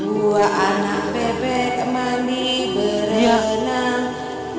dua anak bebek mani berenang